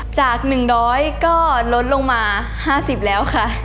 จาก๑๐๐ก็ลดลงมา๕๐แล้วค่ะ